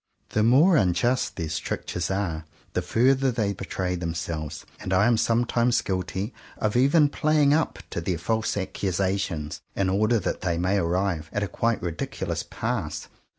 The more unjust their strictures are, the further they betray themselves; and I am sometimes guilty of even playing up to their false accusations in order that they may arrive at a quite ridiculous pass.